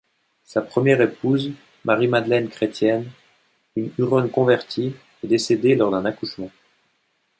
Sa première épouse, Marie-Madeleine Chrétienne, une Huronne convertie, est décédée lors d'un accouchement.